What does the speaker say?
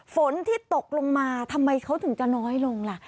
ฝนที่ตกลงมาทำไมเขาถึงจะน้อยลงล่ะ